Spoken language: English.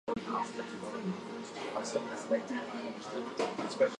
In the only example given, a "word" means "The far horizons draw no nearer.